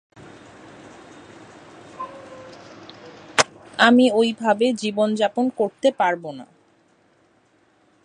আমি ওই ভাবে জীবনযাপন করতে পারবো না।